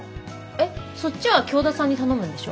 えっそっちは京田さんに頼むんでしょ？